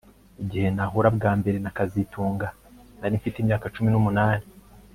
Igihe nahura bwa mbere na kazitunga nari mfite imyaka cumi numunani